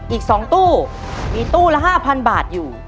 อีก๒ตู้มีตู้ละ๕๐๐บาทอยู่